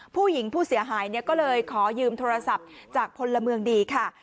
ผู้หญิงผู้เสียหายเนี่ยก็เลยขอยืมโทรศัพท์จากพลเมืองดีค่ะ